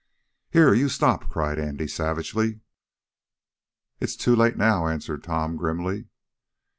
"Here, you stop!" cried Andy, savagely. "It's too late now," answered Tom, grimly.